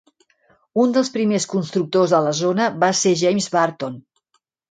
Un dels primers constructors a la zona va ser James Burton.